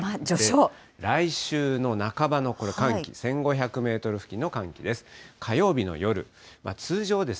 来週の半ばのこれ、寒気、１５００メートル付近の寒気です。